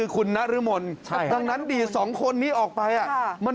คุณฮะผมตกใจเลย